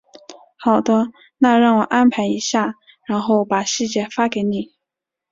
好的，那让我安排一下，然后把细节发给你。